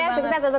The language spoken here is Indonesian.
thank you banget